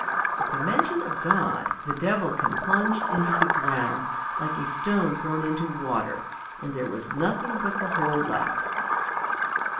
At the mention of God the Devilkin plunged into the ground like a stone thrown into water, and there was nothing but the hole left.